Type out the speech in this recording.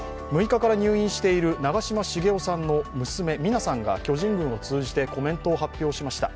６日から入院している長嶋茂雄さんの娘・三奈さんが巨人軍を通じてコメントを発表しました。